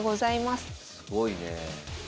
すごいねえ。